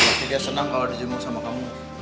tapi dia senang kalo dia jenguk sama kamu